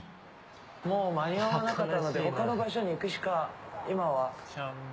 もう間に合わなかったので他の場所に行くしか。